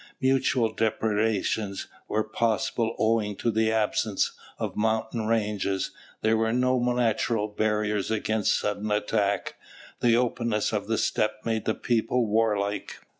Mutual depredations were possible owing to the absence of mountain ranges; there were no natural barriers against sudden attack. The openness of the steppe made the people war like.